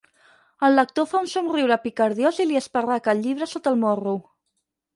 El lector fa un somriure picardiós i li esparraca el llibre sota el morro.